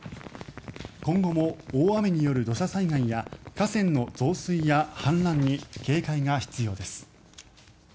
今後も大雨による土砂災害や河川の増水や氾濫に警戒が必要です。